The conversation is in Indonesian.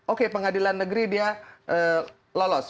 oke pengadilan negeri dia lolos